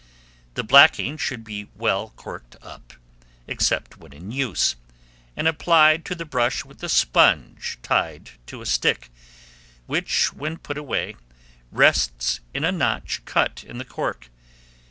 The blacking should be kept corked up, except when in use, and applied to the brush with a sponge tied to a stick, which, when put away, rests in a notch cut in the cork.